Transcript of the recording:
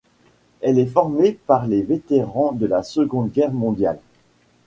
Elle est formée par des vétérans de la Seconde Guerre mondiale.